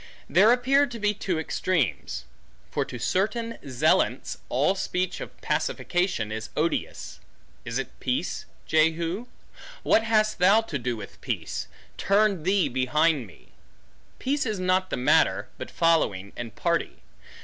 There appear to be two extremes. For to certain zealants, all speech of pacification is odious. Is it peace, Jehu,? What hast thou to do with peace? turn thee behind me. Peace is not the matter, but following, and party.